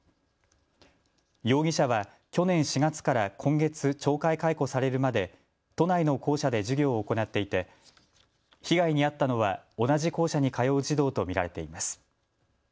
容疑者は去年４月から今月懲戒解雇されるまで都内の校舎で授業を行っていて被害に遭ったのは同じ校舎に通う児童と見られています。